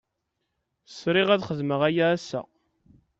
Sriɣ ad xedmeɣ aya ass-a.